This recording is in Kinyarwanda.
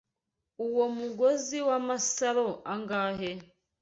Uwo mugozi w'amasaro angahe?